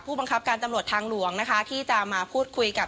บังคับการตำรวจทางหลวงนะคะที่จะมาพูดคุยกับ